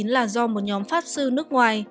là do một nhóm phát sư nước ngoài